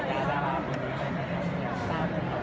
แล้วตอนต่อเท่านั้น